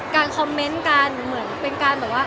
การคอมเมนต์กันเหมือนเป็นการแบบว่า